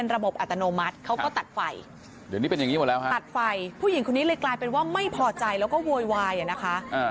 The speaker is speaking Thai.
ไม่แก้ไม่แก้ไม่แก้ไม่แก้ไม่แก้ไม่แก้ไม่แก้ไม่แก้ไม่แก้ไม่แก้